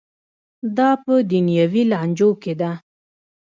دا په دنیوي لانجو کې ده.